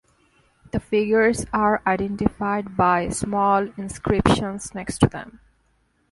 The figures are identified by small inscriptions next to them.